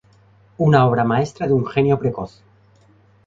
Una obra maestra de un genio precoz.